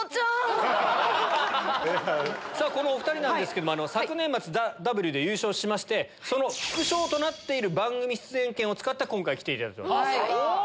このお２人なんですけど昨年末『ＴＨＥＷ』で優勝してその副賞となっている番組出演権を使って今回来ていただきました。